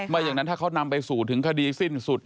อย่างนั้นถ้าเขานำไปสู่ถึงคดีสิ้นสุด